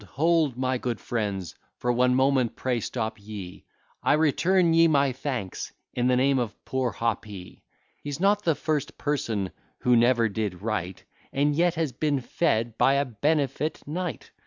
hold, my good friends; for one moment, pray stop ye, I return ye my thanks, in the name of poor Hoppy. He's not the first person who never did write, And yet has been fed by a benefit night.